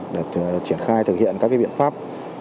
để triển khai thực hiện các biện pháp